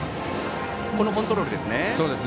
このコントロールですね。